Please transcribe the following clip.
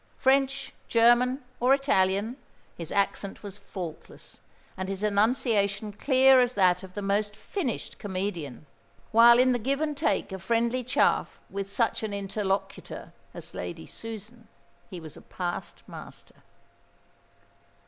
French, German, or Italian, his accent was faultless, and his enunciation clear as that of the most finished comedian; while in the give and take of friendly chaff with such an interlocutor as Lady Susan, he was a past master.